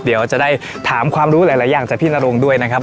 เดี๋ยวจะได้ถามความรู้หลายอย่างจากพี่นรงด้วยนะครับ